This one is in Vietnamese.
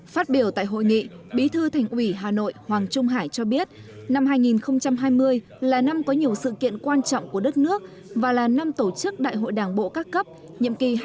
phát biểu tại hội nghị bí thư thành ủy hà nội hoàng trung hải cho biết năm hai nghìn hai mươi là năm có nhiều sự kiện quan trọng của đất nước và là năm tổ chức đại hội đảng bộ các cấp nhiệm kỳ hai nghìn hai mươi hai nghìn hai mươi năm